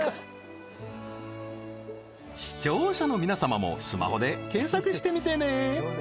視聴者の皆様もスマホで検索してみてね